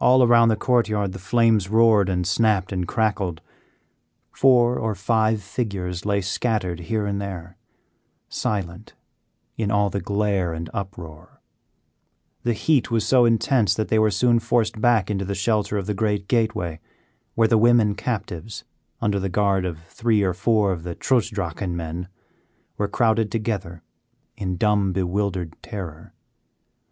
All around the court yard the flames roared and snapped and crackled. Four or five figures lay scattered here and there, silent in all the glare and uproar. The heat was so intense that they were soon forced back into the shelter of the great gateway, where the women captives, under the guard of three or four of the Trutz Drachen men, were crowded together in dumb, bewildered terror.